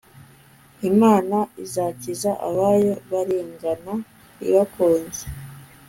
Imana izakiza abayo barengana ibakunze